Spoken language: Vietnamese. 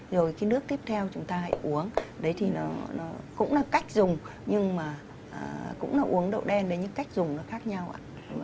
rồi cái nước tiếp theo chúng ta hãy uống đấy thì nó cũng là cách dùng nhưng mà cũng là uống đậu đen đấy những cách dùng nó khác nhau ạ